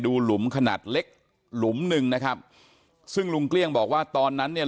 หลุมขนาดเล็กหลุมหนึ่งนะครับซึ่งลุงเกลี้ยงบอกว่าตอนนั้นเนี่ย